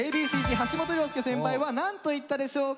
橋本良亮先輩はなんと言ったでしょうか。